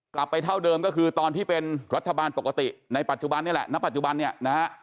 เท่าเดิมก็คือตอนที่เป็นรัฐบาลปกติในปัจจุบันนี่แหละณปัจจุบันเนี่ยนะฮะ